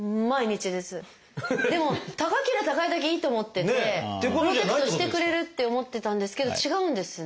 でも高けりゃ高いだけいいと思っててプロテクトしてくれるって思ってたんですけど違うんですね？